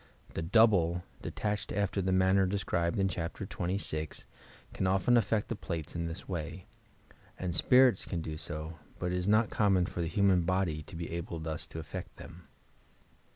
The "double," de tached after the manner described in Chapter XXVI, can often aJTect the plates in this way, and spirits can do 80, but it is not common for the human body to be able thoa to aSect them.